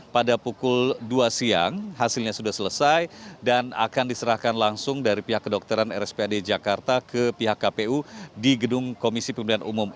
pada pukul dua siang hasilnya sudah selesai dan akan diserahkan langsung dari pihak kedokteran rspad jakarta ke pihak kpu di gedung komisi pemilihan umum